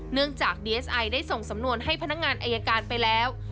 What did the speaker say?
เนื่องจากดีเอสไอได้ส่งสำนวนให้พนักงานอายการไปแล้ว